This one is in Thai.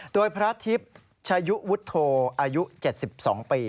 โดยพระทิพย์ชายุวุฒโธอายุ๗๒ปี